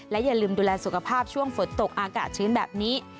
อย่าลืมดูแลสุขภาพช่วงฝนตกอากาศชื้นแบบนี้